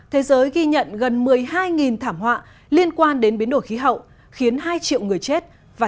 thế giới ghi nhận gần một mươi hai thảm họa liên quan đến biến đổi khí hậu khiến hai triệu người chết và